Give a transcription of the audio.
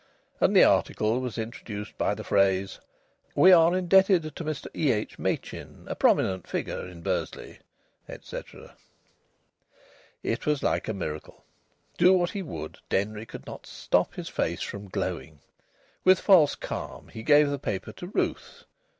And the article was introduced by the phrase: "We are indebted to Mr E.H. Machin, a prominent figure in Bursley," etc. It was like a miracle. Do what he would, Denry could not stop his face from glowing. With false calm he gave the paper to Ruth.